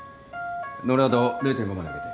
ノルアド０．５まで上げて。